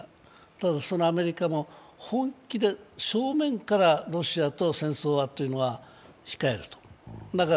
ただそのアメリカも本気で正面からロシアと戦争は控えると。